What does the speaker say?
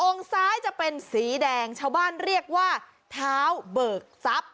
ซ้ายจะเป็นสีแดงชาวบ้านเรียกว่าเท้าเบิกทรัพย์